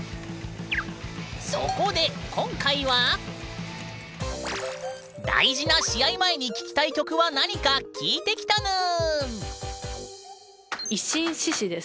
そこで今回は大事な試合前に聞きたい曲は何か聞いてきたぬん！